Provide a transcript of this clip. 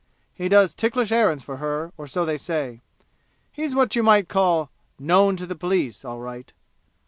He does ticklish errands for her, or so they say. He's what you might call 'known to the police' all right."